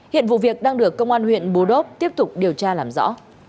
hiện vụ việc đang được công an huyện bù đốp tiếp tục điều tra làm rõ